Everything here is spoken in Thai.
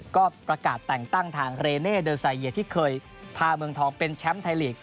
ก็ประกาศแต่งตั้งทางเรเน่เดอร์ไซเยียที่เคยพาเมืองทองเป็นแชมป์ไทยลีก